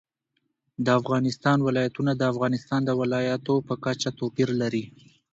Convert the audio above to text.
د افغانستان ولايتونه د افغانستان د ولایاتو په کچه توپیر لري.